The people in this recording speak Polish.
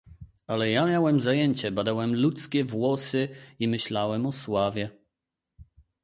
"Ale ja miałem zajęcie, badałem ludzkie włosy i myślałem o sławie."